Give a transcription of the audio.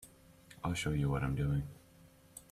I'll show you what I'm doing.